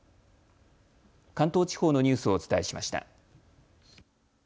関東地方のニュースをお伝えしました。